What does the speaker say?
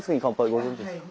ご存じですか？